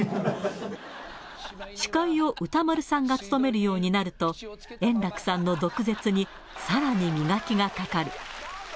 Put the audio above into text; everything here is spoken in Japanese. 司会を歌丸さんが務めるようになると、円楽さんの毒舌にさらに磨きがかかる。